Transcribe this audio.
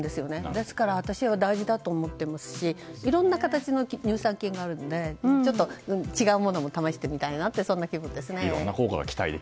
ですから私は大事だと思っていますしいろんな形の乳酸菌があるのでちょっと違うものも試してみたい気分ですね。